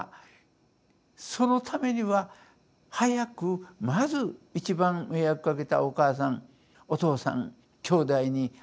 そのためには早くまず一番迷惑かけたお母さんお父さん兄弟に謝りたい。